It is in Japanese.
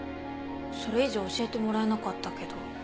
それ以上教えてもらえなかったけど。